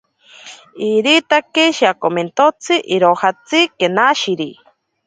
Iritake shiakomentotsi irojatsi kenashiri.